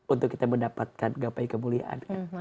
untuk kita mendapatkan gapai kemuliaan